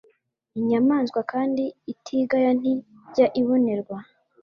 iNyamwasa kandi itigaya nti jya ibonerwa